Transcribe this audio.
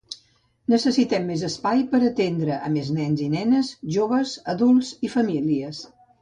Necessitem més espai per atendre a més nens i nenes, joves, adults i famílies.